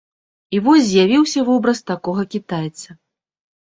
І вось з'явіўся вобраз такога кітайца.